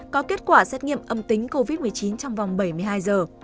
có kết quả xét nghiệm âm tính covid một mươi chín trong vòng bảy mươi hai giờ